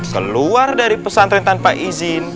keluar dari pesantren tanpa izin